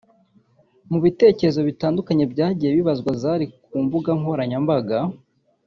Mu bitekerezo bitandukanye byagiye bibazwa Zari ku mbuga nkoranyambaga